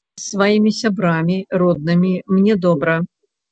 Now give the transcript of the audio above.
Я з сваімі сябрамі, роднымі, мне добра.